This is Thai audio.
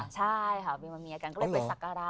ใช่ค่ะมีมาเมียกันก็เลยไปสักการะ